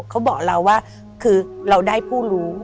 เขาบอกเราว่าคือเราได้ผู้รู้